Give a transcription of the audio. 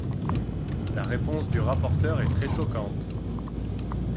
La réponse du rapporteur est très choquante.